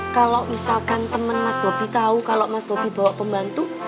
kalau misalkan teman mas bobi tahu kalau mas bobi bawa pembantu